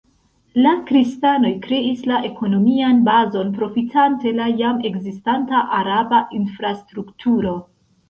La kristanoj kreis la ekonomian bazon profitante la jam ekzistanta araba infrastrukturo.